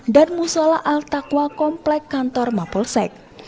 dan musola al takwa komplek kantor mapolsek